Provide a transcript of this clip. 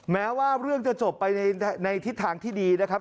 แม้ว่าเรื่องจะจบไปในทิศทางที่ดีนะครับ